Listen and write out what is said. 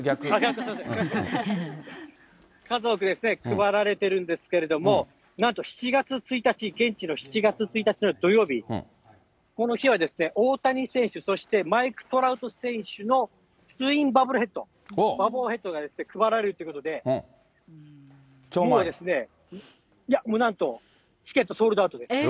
すみません、数多く配られてるんですけれども、なんと７月１日、現地の７月１日の土曜日、この日は大谷選手、そしてマイク・トラウト選手のヘッド、バブルヘッドが配られるということで、なんとチケットソールドアウトです。